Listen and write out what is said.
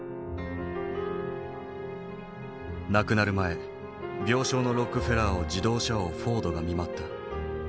亡くなる前病床のロックフェラーを自動車王フォードが見舞った。